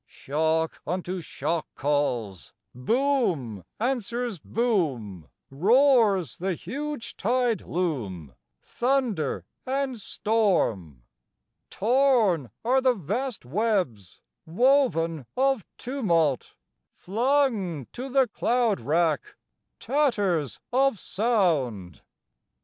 Shock unto shock calls, Boom answers boom, Roars the huge tide loom, Thunder and storm! Torn are the vast webs Woven of tumult, Flung to the cloud rack, Tatters of sound! II.